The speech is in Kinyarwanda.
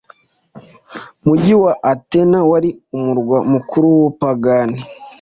Umugi wa Atene wari umurwa mukuru w’ubupagani.